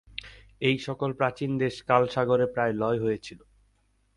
এই সকল প্রাচীন দেশ কালসাগরে প্রায় লয় হয়েছিল।